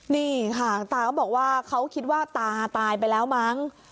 นี่ค่ะตาก็บอกว่าเขาคิดว่าตาตายไปแล้วมั้ง